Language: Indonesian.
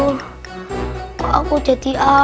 saya kena kewasannya